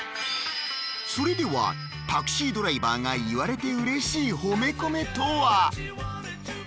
それではタクシードライバーが言われて嬉しい褒めコメとは？